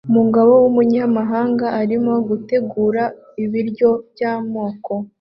Umugabo wumunyamahanga arimo gutegura ibiryo byamoko